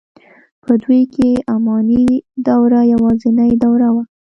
په دوی کې اماني دوره یوازنۍ دوره وه.